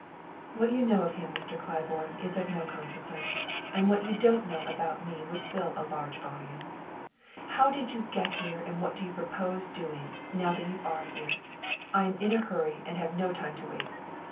"What you know of him, Mr. Claiborne, is of no consequence. And what you don't know about me would fill a large volume. How did you get here, and what do you propose doing, now that you are here? I am in a hurry and have no time to waste.